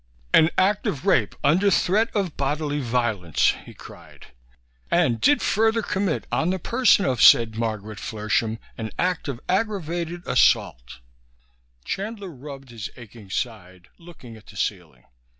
"An Act of Rape under Threat of Bodily Violence," he cried; "and Did Further Commit on the Person of Said Margaret Flershem an Act of Aggravated Assault " Chandler rubbed his aching side, looking at the ceiling.